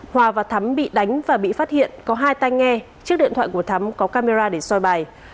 hòa và thắm bị đánh và bị phát hiện có hai tay nghe chiếc điện thoại của thắm có camera để soi bài